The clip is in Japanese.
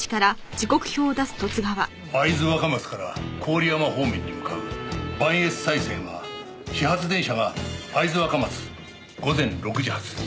会津若松から郡山方面に向かう磐越西線は始発電車が会津若松午前６時発